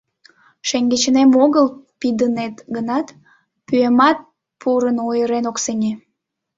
Шеҥгечынем огыл пидыныт гынат, пӱемат пурын ойырен ок сеҥе».